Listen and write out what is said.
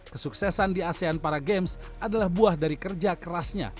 kesuksesan di asean para games adalah buah dari kerja kerasnya